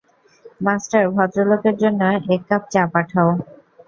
Master, ভদ্রলোকের জন্য এক কাপ চা পাঠাও?